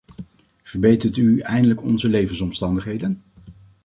Verbetert u eindelijk onze levensomstandigheden!